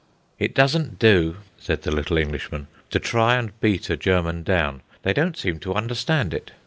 "It doesn't do," said the little Englishman, "to try and beat a German down. They don't seem to understand it.